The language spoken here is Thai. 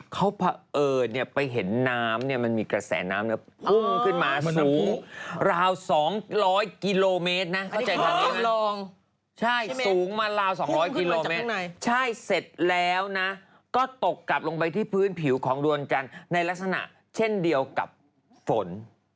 ก็ตกกลับลงไปที่พื้นผิวของดวนจันทร์ในลักษณะเช่นเดียวกับฝน